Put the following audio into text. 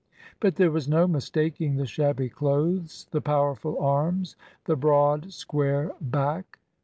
But there was no mistaking the shabby clothes, the powerful arms, the broad, square back.